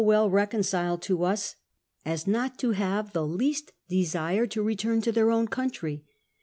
ll roconciled to us, as not to have the least desire to nitiini to their own country.